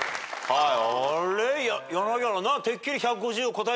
はい。